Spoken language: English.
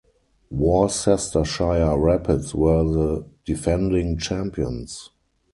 Worcestershire Rapids were the defending champions.